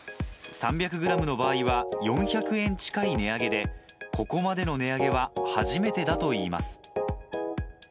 ３００グラムの場合は４００円近い値上げで、ここまでの値上げは初めてだといいます。